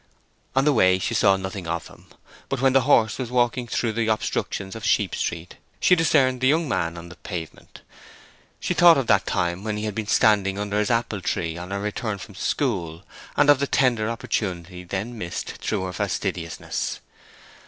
On the way she saw nothing of him; but when the horse was walking slowly through the obstructions of Sheep Street, she discerned the young man on the pavement. She thought of that time when he had been standing under his apple tree on her return from school, and of the tender opportunity then missed through her fastidiousness.